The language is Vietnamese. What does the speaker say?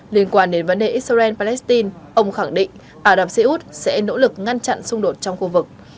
liên quan đến vấn đề israel palestine ông khẳng định ả rập xê út sẽ nỗ lực ngăn chặn xung đột trong khu vực